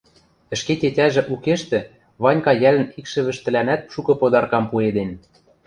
Ӹшке тетяжӹ укештӹ Ванька йӓлӹн икшӹвӹштӹлӓнӓт шукы подаркам пуэден.